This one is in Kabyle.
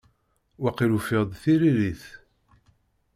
Waqil ufiɣ-d tiririt.